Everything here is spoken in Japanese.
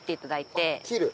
切る？